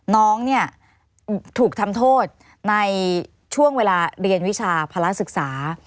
น้องเนี่ยถูกทำโทษในช่วงเวลาเรียนวิชาภาระศึกษา